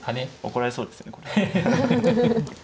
怒られそうですよねこれ。